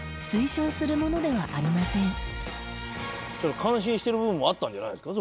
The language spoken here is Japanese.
感心してる部分もあったんじゃないですか？